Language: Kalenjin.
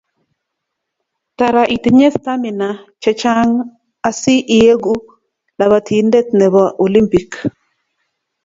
tara itinye stamina chechang asi ileku labatinde nebo olimpik